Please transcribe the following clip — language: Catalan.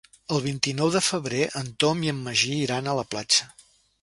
El vint-i-nou de febrer en Tom i en Magí iran a la platja.